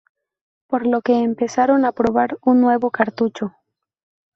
Por lo que empezaron a probar un nuevo cartucho.